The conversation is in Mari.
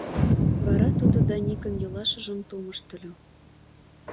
Вара тудо Даникын йолашыжым тумыштыльо.